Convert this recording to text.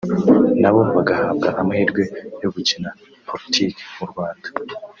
nabo bagahabwa amahirwe yo gukina politique mu Rwanda